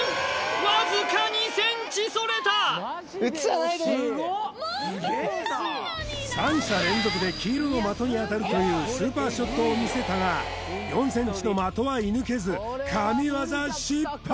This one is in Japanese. わずか２ｃｍそれた３射連続で黄色の的に当たるというスーパーショットを見せたが４ｃｍの的は射抜けず神業失敗！